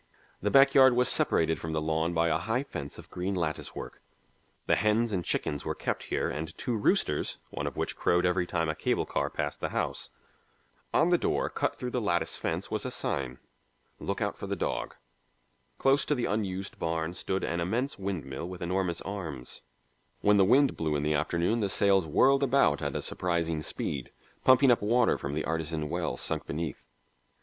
The back yard was separated from the lawn by a high fence of green lattice work. The hens and chickens were kept here and two roosters, one of which crowed every time a cable car passed the house. On the door cut through the lattice fence was a sign, "Look Out for the Dog." Close to the unused barn stood an immense windmill with enormous arms; when the wind blew in the afternoon the sails whirled about at a surprising speed, pumping up water from the artesian well sunk beneath.